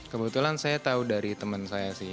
kebetulan saya tahu dari teman saya sih